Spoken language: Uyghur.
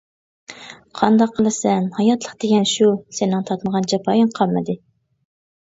قانداق قىلىسەن ھاياتلىق دېگەن شۇ سېنىڭ تارتمىغان جاپايىڭ قالمىدى.